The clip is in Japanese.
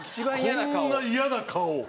こんな嫌な顔を。